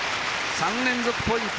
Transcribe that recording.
３連続ポイント。